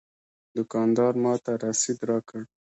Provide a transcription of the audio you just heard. دوکاندار ماته رسید راکړ.